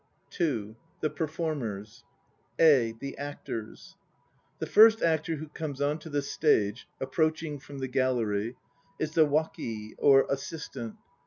(2) THE PERFORMERS. (a) The Actors. The first actor who comes on to the stage (approaching from the gallery) is the waki or assistant.